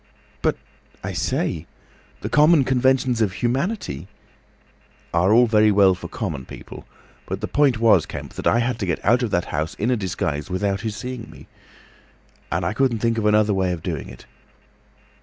"But—I say! The common conventions of humanity—" "Are all very well for common people. But the point was, Kemp, that I had to get out of that house in a disguise without his seeing me. I couldn't think of any other way of doing it.